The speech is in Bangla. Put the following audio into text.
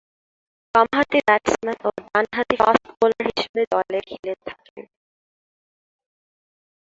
বামহাতি ব্যাটসম্যান ও ডানহাতি ফাস্ট বোলার হিসেবে দলে খেলে থাকেন।